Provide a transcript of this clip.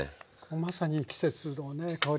まさに季節のね香り。